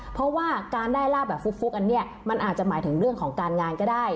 เพราะว่าการได้ลาบแบบฟุกอันนี้มันอาจจะหมายถึงเรื่องของการงานก็ได้